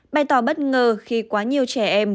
bày tỏ bất ngờ khi quá nhiều trẻ em